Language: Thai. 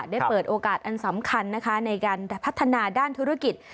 ได้เปิดโอกาสอันสำคัญนะคะในการพัฒนาด้านธุรกิจ